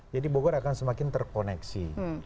jadi bogor akan semakin terkoneksi